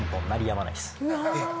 えっ？